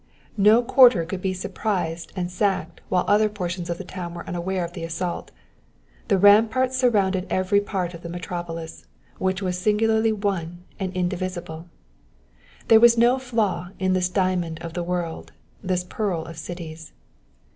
No quarter could be surprised and sacked while other portions of the town were unaware of the assault : the ramparts surrounded every part of the metropolis, which was singularly one and indivisible. There was no flaw in this diamond of the world, this pearl of cities.